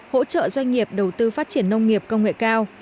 hỗ trợ doanh nghiệp đầu tư phát triển nông nghiệp công nghệ cao